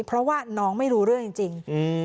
เพราะว่าน้องไม่รู้เรื่องจริง